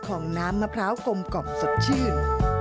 ของน้ำมะพร้าวกลมสดชื่น